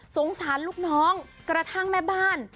สงสารลูกน้องกระทั่งแม่บ้าน